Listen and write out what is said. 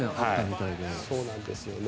そうなんですよね。